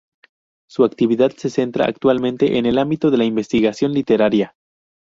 Su actividad se centra actualmente en el ámbito de la investigación literaria.